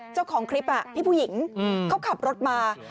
เจ้าของคลิปพี่ผู้หญิงเขาขับรถมา